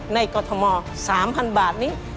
กรทม๓๐๐๐บาทนี้